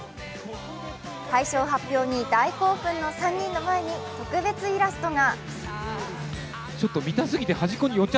大賞発表に大興奮の３人の前に特別イラストが。